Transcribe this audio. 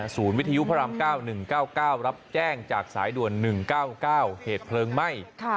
วิทยุพระราม๙๑๙๙รับแจ้งจากสายด่วน๑๙๙เหตุเพลิงไหม้